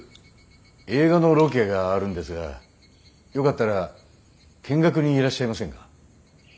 映画のロケがあるんですがよかったら見学にいらっしゃいませんか？